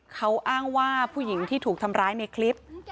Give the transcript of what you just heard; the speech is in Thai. เขาอ้างว่าผู้หญิงที่ถูกทำร้ายในคลิป